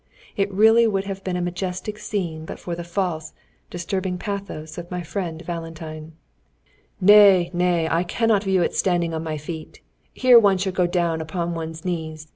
It would really have been a majestic scene but for the false, disturbing pathos of friend Valentine. "Nay, nay! I cannot view it standing on my feet! Here one should go down upon one's knees.